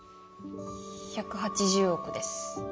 １８０億です。